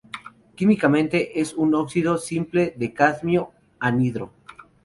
Químicamente es un óxido simple de cadmio, anhidro.